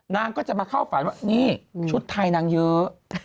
นางก็จะมาเข้าฝันว่านี่ชุดไทยนางเยอะ